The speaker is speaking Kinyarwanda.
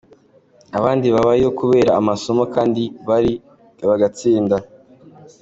Abandi babayo kubera amasomo kandi bariga bagatsinda.